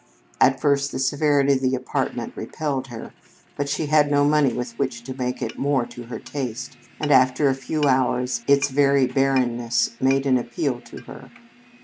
At first the severity of the apartment repelled her, but she had no money with which to make it more to her taste, and after a few hours its very barrenness made an appeal to her.